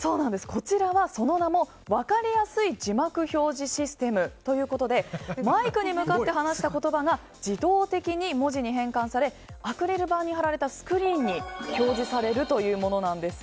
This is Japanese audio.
こちらはその名もわかりやすい字幕表示システムということでマイクに向かって話した言葉が自動的に文字に変換されアクリル板に貼られたスクリーンに表示されるものなんです。